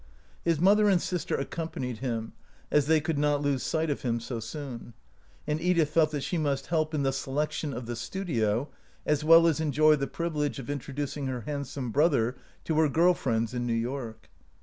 His mother and sister accompanied him, as they could not lose sight of him so soon ; and Edith felt that she must help in the selection of the studio as well as enjoy the privilege of introducing her handsome brother to her girl friends in New York.